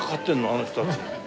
あの人たち。